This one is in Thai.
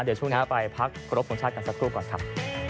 เดี๋ยวช่วงหน้าไปพักครบทรงชาติกันสักครู่ก่อนครับ